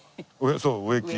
そう植木。